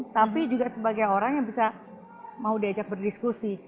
tapi juga sebagai orang yang bisa mau diajak berdiskusi